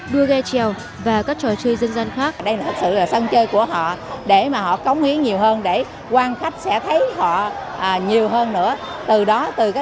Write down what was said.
đua ghe trèo và các trò chơi dân gian